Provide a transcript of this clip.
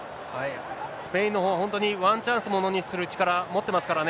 スペインのほうは、本当にワンチャンスものにする力、持ってますからね。